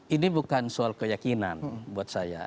ini bukan soal keyakinan buat saya